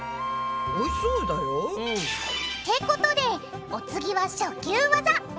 おいしそうだよ。ってことでお次は初級ワザ。